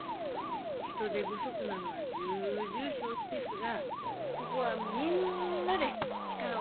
人手不足なのは重々承知ですがここはみんなで力を合わせて。